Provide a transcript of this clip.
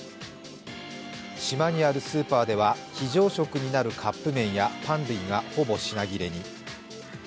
島にあるスーパーでは非常食になるカップ麺やパン類がほぼ品切れに。